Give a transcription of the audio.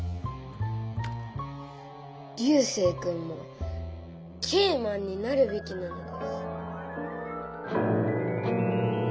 流星君もＫマンになるべきなのです。